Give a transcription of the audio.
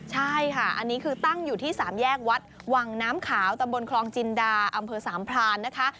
ใช่ค่ะอันนี้คือตั้งอยู่ที่สามแยกวัดวังน้ำขาวตำบลคลองจินดาอำเภอสามพรานนะคะ